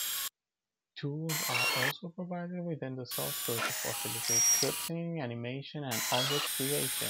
Tools are also provided within the software to facilitate scripting, animation, and object creation.